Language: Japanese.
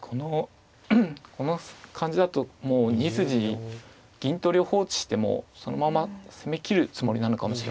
この感じだともう２筋銀取りを放置してもそのまま攻めきるつもりなのかもしれません。